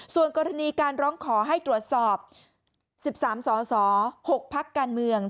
ส่วนกรณีการร้องขอให้ตรวจสอบ๑๓สส๖พักการเมือง